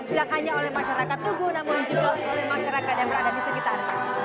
tidak hanya oleh masyarakat tugu namun juga oleh masyarakat yang berada di sekitarnya